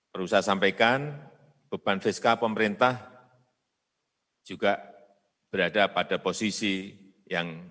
perusahaan sampaikan beban fiskal pemerintah juga berada pada posisi yang diperlukan